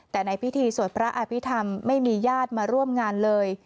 แต่ในพิธีสวดพระอภิษฐรรมไม่มีญาติมาร่วมงานเลย